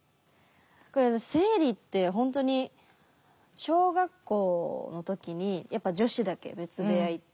これ私生理ってほんとに小学校の時にやっぱ女子だけ別部屋行って。